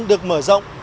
được mở rộng